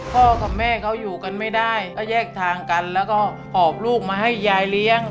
พ่อกับแม่เขาอยู่กันไม่ได้ก็แยกทางกันแล้วก็หอบลูกมาให้ยายเลี้ยง